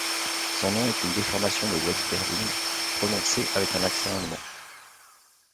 Son nom est une déformation de West Berlin prononcée avec un accent allemand.